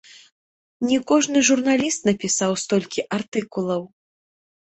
Не кожны журналіст напісаў столькі артыкулаў!